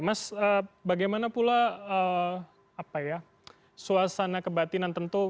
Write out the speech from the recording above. mas bagaimana pula apa ya suasana kebatinan tentu